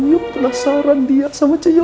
nyum penasaran dia sama ceyoyo